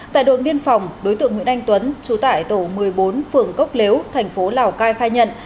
tại đồn biên phòng đối tượng nguyễn anh tuấn trú tại tổ một mươi bốn phường cốc lếu thành phố lào cai khai nhận